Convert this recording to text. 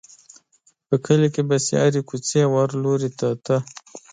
په کلي کې به چې هرې کوڅې او هر لوري ته ته.